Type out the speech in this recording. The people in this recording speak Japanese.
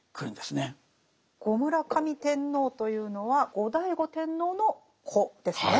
後村上天皇というのは後醍醐天皇の子ですね。